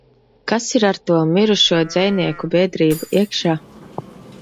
"Kas ir ar to "Mirušo dzejnieku biedrību" iekšā?"